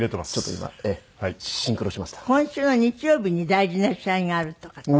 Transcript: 今週の日曜日に大事な試合があるとかって。